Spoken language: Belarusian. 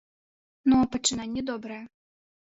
Ну а пачынанне добрае.